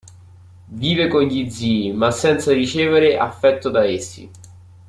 Vive con gli zii, ma senza ricevere affetto da essi.